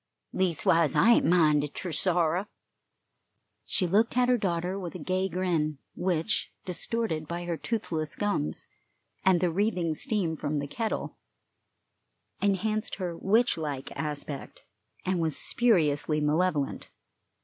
Leastwise I ain't minded ter sorrow." She looked at her daughter with a gay grin, which, distorted by her toothless gums and the wreathing steam from the kettle, enhanced her witch like aspect and was spuriously malevolent.